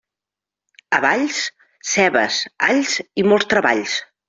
A Valls, cebes, alls i molts treballs.